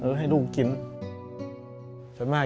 พ่อลูกรู้สึกปวดหัวมาก